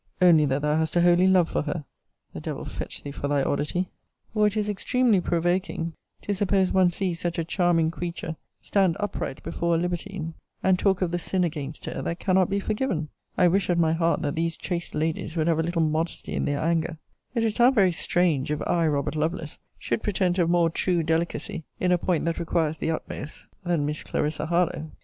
only that thou hast a holy love for her, [the devil fetch thee for thy oddity!] or it is extremely provoking to suppose one sees such a charming creature stand upright before a libertine, and talk of the sin against her, that cannot be forgiven! I wish, at my heart, that these chaste ladies would have a little modesty in their anger! It would sound very strange, if I Robert Lovelace should pretend to have more true delicacy, in a point that requires the utmost, than Miss Clarissa Harlowe.